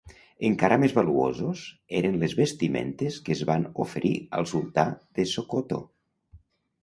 Encara més valuosos eren les vestimentes que es van oferir al sultà de Sokoto.